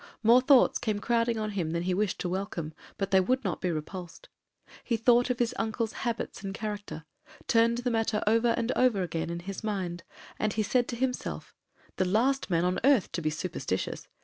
More thoughts came crowding on him than he wished to welcome, but they would not be repulsed. He thought of his uncle's habits and character, turned the matter over and over again in his mind, and he said to himself, 'The last man on earth to be superstitious.